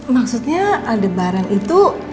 maksudnya aldebaran itu